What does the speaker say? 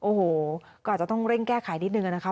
โอ้โหก็อาจจะต้องเร่งแก้ไขนิดนึงนะคะ